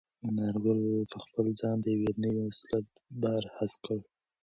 انارګل په خپل ځان کې د یو نوي مسولیت بار حس کړ.